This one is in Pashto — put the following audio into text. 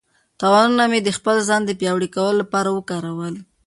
تاوانونه مې د خپل ځان د پیاوړي کولو لپاره وکارول.